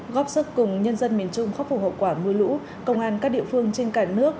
góp sức cùng nhân dân miền trung khắc phục hậu quả mưa lũ công an các địa phương trên cả nước